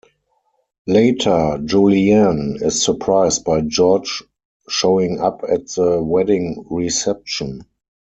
Later, Julianne is surprised by George showing up at the wedding reception.